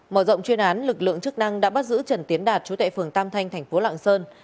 mở rộng chuyên án lực lượng chức năng đã bắt giữ trần tiến đạt chú tại phường tam thanh thành phố lạng sơn